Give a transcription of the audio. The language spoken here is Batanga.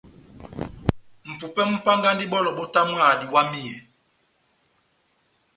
Mʼpupɛ múpángandi bɔlɔ bótamwaha diwamiyɛ.